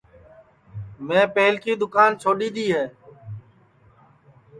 میں پہلکی دؔوکان چھوڈؔی دؔی ہے